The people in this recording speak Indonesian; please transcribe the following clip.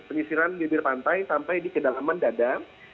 penyisiran bibir pantai sampai di kedalaman dada